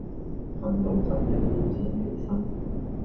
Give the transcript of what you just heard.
訓到十一點先起身